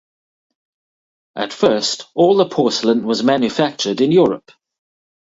At first all the porcelain was manufactured in Europe.